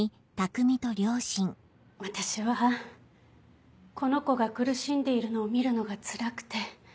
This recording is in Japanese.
私はこの子が苦しんでいるのを見るのがつらくて。